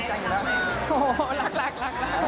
โอ้โฮรักรักรักรัก